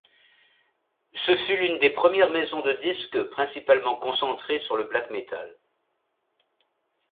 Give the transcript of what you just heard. Ce fut l'une des premières maison de disque principalement concentré sur le Black Metal.